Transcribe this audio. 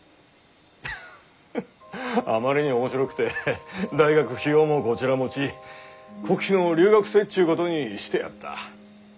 フフッあまりに面白くて大学費用もこちら持ち国費の留学生っちゅうことにしてやった。